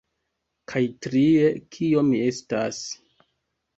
Kaj trie kio mi estas